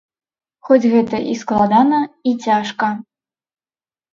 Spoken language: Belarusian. Хоць гэта і складана, і цяжка.